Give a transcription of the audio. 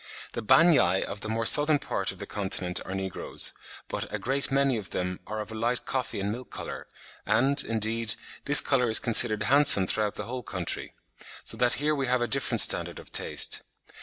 The Banyai of the more southern part of the continent are negroes, but "a great many of them are of a light coffee and milk colour, and, indeed, this colour is considered handsome throughout the whole country"; so that here we have a different standard of taste.